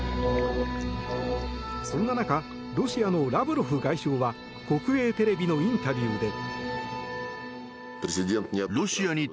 そんな中ロシアのラブロフ外相は国営テレビのインタビューで。